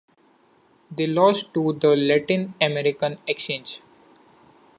They lost to the Latin American Xchange.